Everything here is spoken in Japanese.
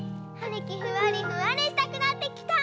るきふわりふわりしたくなってきた。